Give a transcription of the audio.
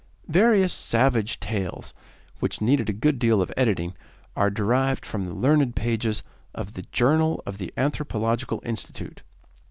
Various savage tales, which needed a good deal of editing, are derived from the learned pages of the 'Journal of the Anthropological Institute.